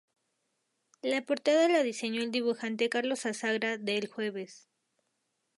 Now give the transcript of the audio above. La portada la diseñó el dibujante Carlos Azagra, de El Jueves.